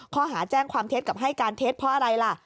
ข้อหาแจ้งความเท็จกับให้การเท็จเพราะอะไรล่ะ